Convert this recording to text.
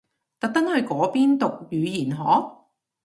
特登去嗰邊讀語言學？